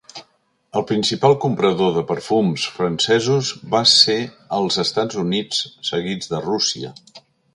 El principal comprador de perfums francesos va ser els Estats Units seguits de Rússia.